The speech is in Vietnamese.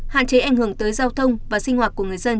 hạn chế ảnh hưởng tới giao thông và sinh hoạt của người dân